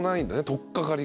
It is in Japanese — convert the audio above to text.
取っかかり。